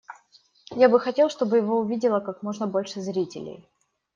Я бы хотел, чтобы его увидело как можно больше зрителей.